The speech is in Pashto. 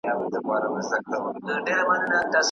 په قلم لیکنه کول د انسانانو ترمنځ اړیکي پیاوړي کوي.